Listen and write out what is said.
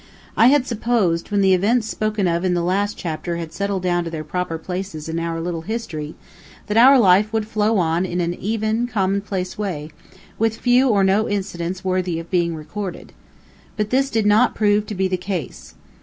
I had supposed, when the events spoken of in the last chapter had settled down to their proper places in our little history, that our life would flow on in an even, commonplace way, with few or no incidents worthy of being recorded. But this did not prove to be the case.